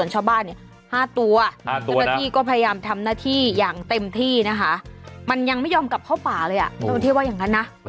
ช้างป่ามันหิวมันทำไงมันก็ต้องลงมา